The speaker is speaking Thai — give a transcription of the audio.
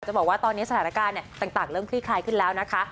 บอกว่าตอนนี้สถานการณ์ต่างเริ่มคลี่คลายขึ้นแล้วนะคะ